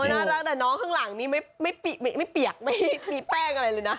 น่ารักแต่น้องข้างหลังนี้ไม่เปียกไม่มีแป้งอะไรเลยนะ